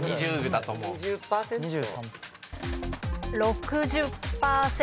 ６０％。